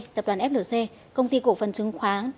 tập đoàn flc công ty cổ phần chứng khoán